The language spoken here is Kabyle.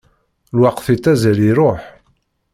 Lweqt ittazzal iruḥ.